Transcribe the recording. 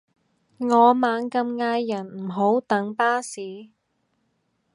我猛咁嗌人唔好等巴士